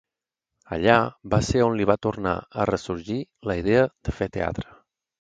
Allà va ser on li va tornar a ressorgir la idea de fer teatre.